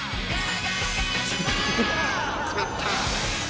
決まった。